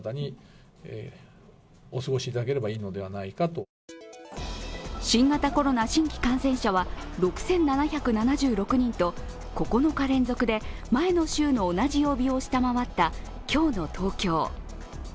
というのも新型コロナウイルス感染者は、６７７６人と９日連続で前の週の同じ曜日を下回った今日の東京。